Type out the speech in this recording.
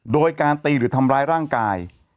โดยการตีหรือทำร้ายร่างกาย